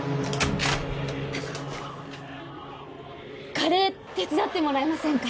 カレー手伝ってもらえませんか？